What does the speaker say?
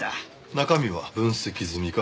中身は分析済みか？